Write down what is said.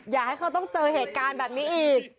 อย่าให้เขาต้องเจอเหตุการณ์แบบนี้อีก